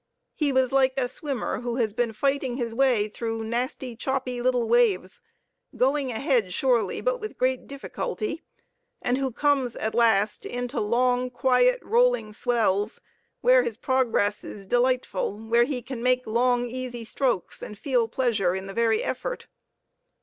He was like a swimmer who has been fighting his way through nasty, choppy, little waves, going ahead surely, but with great difficulty, and who comes at last into long, quiet, rolling swells, where his progress is delightful, where he can make long, easy strokes and feel pleasure in the very effort.